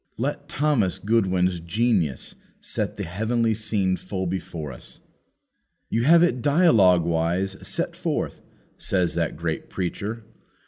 Let Thomas Goodwin's genius set the heavenly scene full before us. "You have it dialoguewise set forth," says that great preacher.